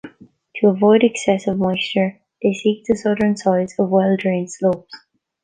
To avoid excessive moisture, they seek the southern side of well drained slopes.